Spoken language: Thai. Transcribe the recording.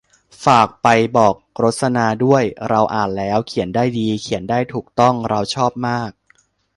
ฝากไปบอกรสนาด้วย เราอ่านแล้ว เขียนได้ดี เขียนได้ถูกต้อง เราชอบมาก